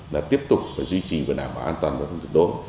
là tiếp tục phải duy trì vận hạ bảo an toàn giao thông trực đối